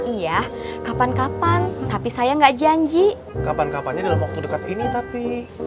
iya kapan kapan tapi saya nggak janji kapan kapannya dalam waktu dekat ini tapi